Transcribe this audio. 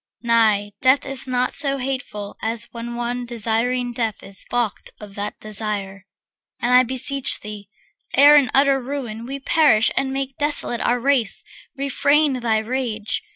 Nay, death is not so hateful as when one Desiring death is balked of that desire. And I beseech thee, ere in utter ruin We perish and make desolate our race, Refrain thy rage.